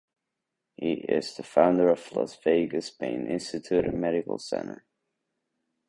He is the founder of Las Vegas Pain Institute and Medical Center.